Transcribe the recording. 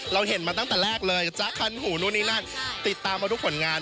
เคยเห็นมาตั้งแต่แรกเลยเมื่อกท่อกายขันหูหุ้ลายนั่นติดตามกับคนงาน